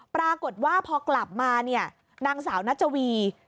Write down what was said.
ปรากฏว่าพอกลับมาเนี่ยนางสาวนัชวี